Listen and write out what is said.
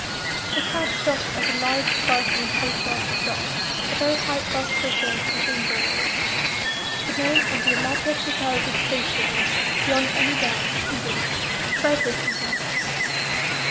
The cab stopped at a large, sparkling, plate glassy shop a very high class fruiterer's and greengrocer's. The name on the elaborately gilded facia was, beyond any doubt, Eden Frederick Eden.